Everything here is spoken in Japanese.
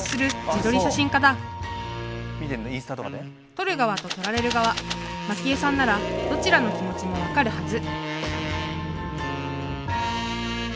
撮る側と撮られる側マキエさんならどちらの気持ちも分かるはず